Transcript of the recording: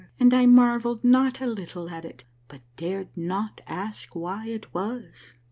And I marvelled not a little at it, but dared not ask why it was.